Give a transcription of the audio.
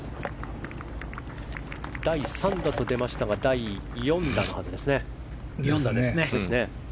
第３打と出ましたが第４打のはずです。